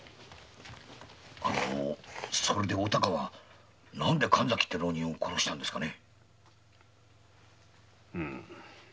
それでお孝は何で神崎って浪人を殺したんですかね。